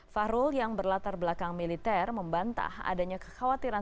fahrul yang berlatar belakang militer membantah adanya kekhawatiran